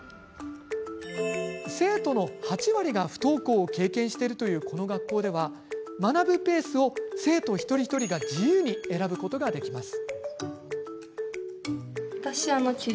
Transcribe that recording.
生徒の８割が不登校を経験しているというこの学校では学ぶペースを生徒一人一人が自由に選ぶことができます。